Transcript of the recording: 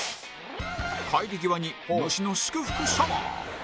帰り際に虫の祝福シャワー